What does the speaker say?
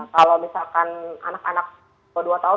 kalau misalkan anak anak dua tahun